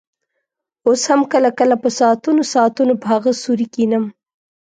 اوس هم کله کله په ساعتونو ساعتونو په هغه سوري کښېنم.